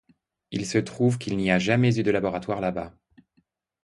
Il se trouve qu’il n’y a jamais eu de laboratoire là-bas.